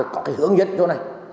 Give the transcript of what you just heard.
có hướng dẫn chỗ này